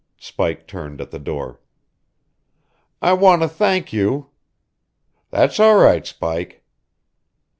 Spike turned at the door. "I want to thank you " "That's all right, Spike!"